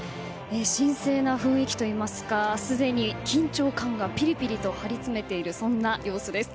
神聖な雰囲気といいますかすでに緊張感がピリピリと張りつめているそんな様子です。